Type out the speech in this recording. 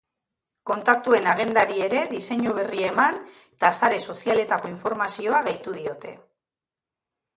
Kontaktuen agendari ere diseinu berria eman eta sare sozialetako informazioa gehitu diote.